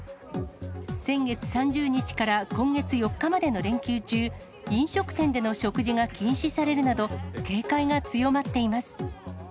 先月３０日から今月４日までの連休中、飲食店での食事が禁止されるなど、警戒が強まっています。